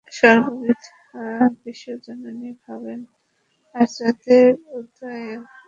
সর্ববিধ বিশ্বজননী ভাবও আচার্যদেবের হৃদয়ে উদিত হইত।